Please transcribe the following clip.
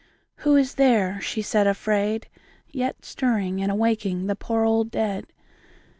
II. Who is there, she said afraid, yet Stirring and awaking The poor old dead?